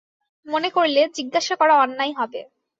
মনে করলে, জিজ্ঞাসা করা অন্যায় হবে।